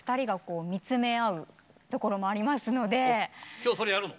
今日それやるの？